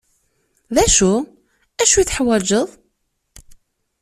D acu? acu i teḥwaǧeḍ?